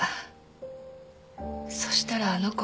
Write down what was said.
そしたらあの子。